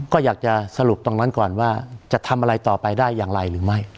ก็อยากจะสรุปตรงนั้นก่อนว่าจะทำอะไรต่อไปได้อย่างไรหรือไม่